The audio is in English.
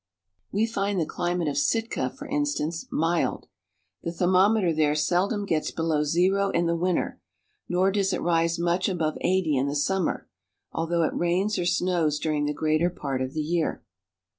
We find the climate of Sitka, for instance, mild. The A Glacier — Alaska. thermometer there seldom gets below zero in the winter, nor does it rise much above eighty in the summer, although it rains or snows during the greater part of the year.